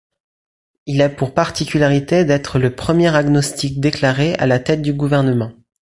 Il a pour particularité d'être le premier agnostique déclaré à la tête du gouvernement.